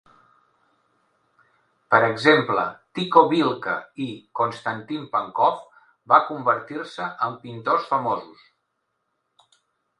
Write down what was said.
Per exemple, Tiko Vilka i Konstantín Pankov va convertir-se en pintors famosos.